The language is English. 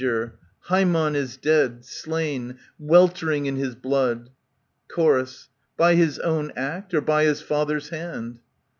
Harmon is dead, slain, weltering in his blood. Chr, By his own act, or by his father's hand